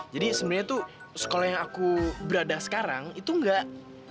jadi sebenarnya tuh sekolah yang aku berada sekarang itu nggak